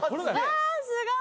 あすごい！